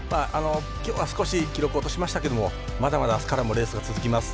きょうは少し記録を落としましたけどもまだまだ、あすからもレースが続きます。